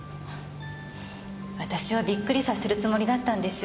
私をびっくりさせるつもりだったんでしょう。